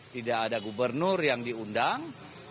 tidak ada gubernur yang diundang